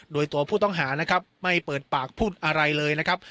โดยตัวผู้ต้องหานะครับไม่เปิดปากพูดอะไรเลยนะครับ